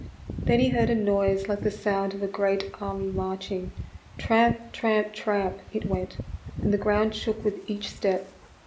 Then he heard a noise like the sound of a great army marching. Tramp, tramp, tramp, it went, and the ground shook with each step.